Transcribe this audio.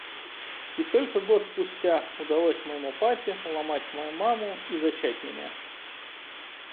И только год спустя удалось моему папе уломать мою маму и зачать меня.